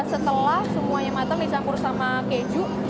setelah semuanya matang dicampur sama keju